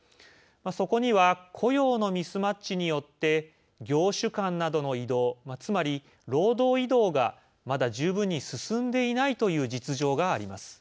そこには雇用のミスマッチによって業種間などの移動つまり、労働移動がまだ十分に進んでいないという実情があります。